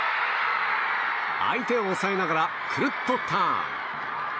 相手を押さえながらくるっとターン。